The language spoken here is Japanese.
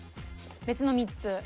別の３つ。